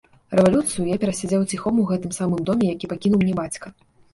Рэвалюцыю я пераседзеў ціхом у гэтым самым доме, які пакінуў мне бацька.